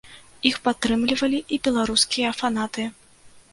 Іх падтрымлівалі і беларускія фанаты.